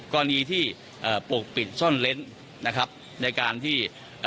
กรณีที่ปกปิดซ่อนเล้นนะครับในการที่